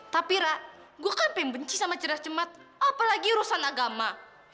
tapi ra gue kan pengen benci sama cerdas cermat apalagi rusan agama